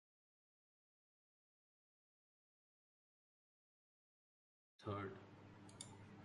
Damon Hill finished second for the Williams team with Ferrari driver Jean Alesi third.